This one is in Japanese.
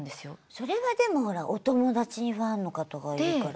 それはでもほらお友達にファンの方がいるから。